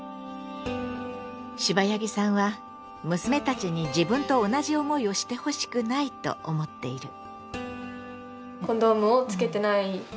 シバヤギさんは娘たちに自分と同じ思いをしてほしくないと思っている。